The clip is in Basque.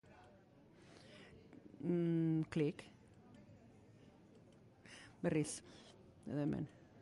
Tapizak ekoizten dira, eta eskulangintza aberatsa dago.